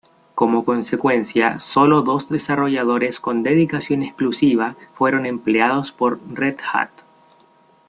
Como consecuencia sólo dos desarrolladores con dedicación exclusiva fueron empleados por Red Hat.